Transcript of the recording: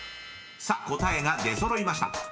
［さあ答えが出揃いました。